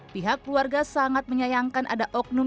pihak keluarga sangat menyayangkan ada oknum